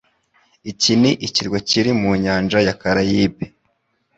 Iki ni ikirwa kiri mu nyanja ya Karayibe.